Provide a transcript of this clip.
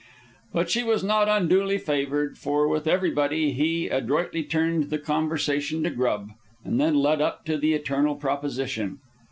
But she was not unduly favored, for with everybody he adroitly turned the conversation to grub, and then led up to the eternal proposition.